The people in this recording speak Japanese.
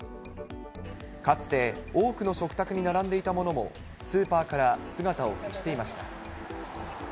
かつて多くの食卓に並んでいたものもスーパーから姿を消していました。